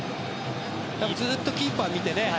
ずっとキーパーを見てね。